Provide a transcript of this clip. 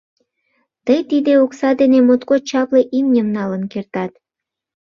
Тый тиде окса дене моткоч чапле имньым налын кертат.